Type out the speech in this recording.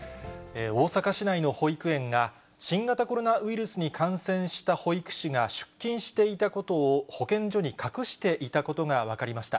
大阪市内の保育園が、新型コロナウイルスに感染した保育士が出勤していたことを保健所に隠していたことが分かりました。